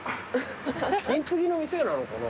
金継ぎの店なのかな？